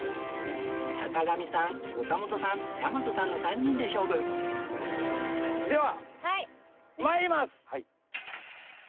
坂上さん岡本さん大和さんの３人で勝負では参ります。